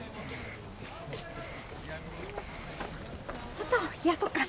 ちょっと冷やそっか。